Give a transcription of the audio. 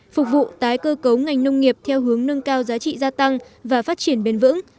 phục vụ tái cơ cấu ngành nông nghiệp theo hướng nâng cao giá trị gia tăng và phát triển bền vững